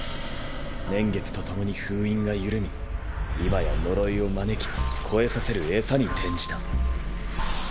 年月とともに封印が緩み今や呪いを招き肥えさせる餌に転じた。